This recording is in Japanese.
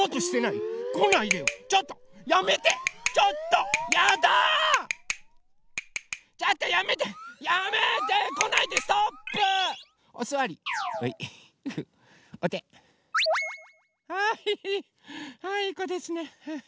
いいこですね。